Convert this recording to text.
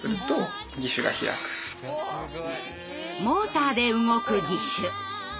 モーターで動く義手。